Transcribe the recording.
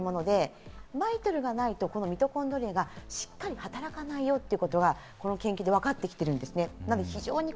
ＭＩＴＯＬがないとミトコンドリアがしっかり働かないよということは、この研究で分かってきているんです。